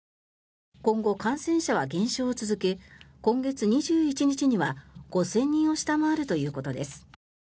今後、感染者は減少を続け今月２１日には５０００人を下回るということです。